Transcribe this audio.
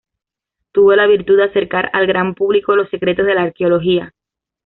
Tuvo la virtud de acercar al gran público los secretos de la arqueología.